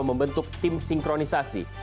membentuk tim sinkronisasi